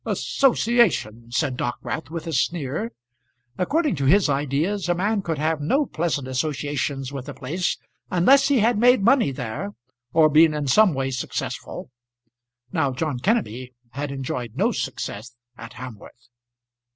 "Associations!" said Dockwrath with a sneer. According to his ideas a man could have no pleasant associations with a place unless he had made money there or been in some way successful. Now John Kenneby had enjoyed no success at Hamworth.